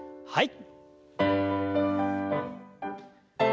はい。